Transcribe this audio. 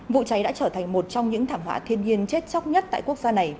vụ cháy đã trở thành một trong những thảm họa thiên nhiên chết chóc nhất tại quốc gia này